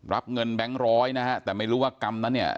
รับเงินแบงค์ร้อยนะฮะแต่ไม่รู้ว่ากรรมนั้นเนี่ย